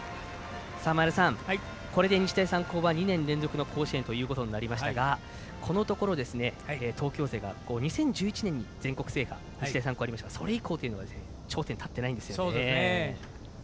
前田さん、これで日大三高は２年連続の甲子園となりましたがこのところ、東京勢が２０１１年に全国制覇、日大三高がありましたが、それ以降は頂点に立っていないんですね。